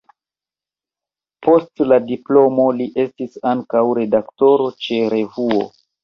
Post la diplomo li estis ankaŭ redaktoro ĉe revuo.